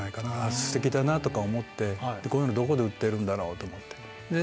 ステキだな！とかこういうのどこで売ってるんだろ？と思って。